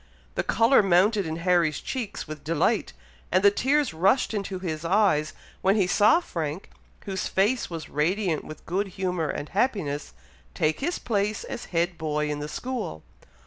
The colour mounted into Harry's cheeks with delight, and the tears rushed into his eyes, when he saw Frank, whose face was radiant with good humour and happiness, take his place as head boy in the school.